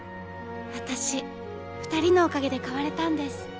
私２人のおかげで変われたんです。